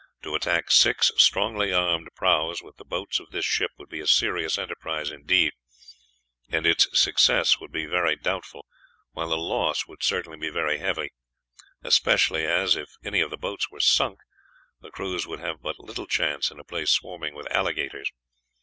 "To attack six strongly armed prahus with the boats of this ship would be a serious enterprise indeed, and its success would be very doubtful, while the loss would certainly be very heavy, especially as, if any of the boats were sunk, the crews would have but little chance in a place swarming with alligators.